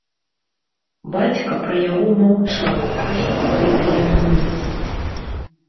Бацька пра яго маўчаў аж па гэтыя дні.